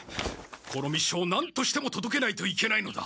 この密書を何としてもとどけないといけないのだ。